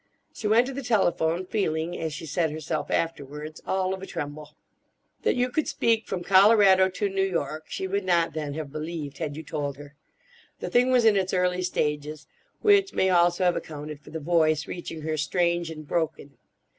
She went to the telephone, feeling—as she said herself afterwards—all of a tremble. That you could speak from Colorado to New York she would not then have believed had you told her. The thing was in its early stages, which may also have accounted for the voice reaching her strange and broken.